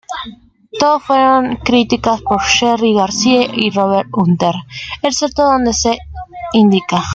Todas fueron escritas por Jerry Garcia y Robert Hunter excepto donde se indica.